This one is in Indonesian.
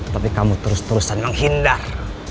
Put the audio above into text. tapi kamu terus terusan menghindar